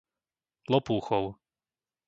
Lopúchov